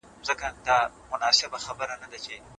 په دغي کیسې کي يو پند پروت دی.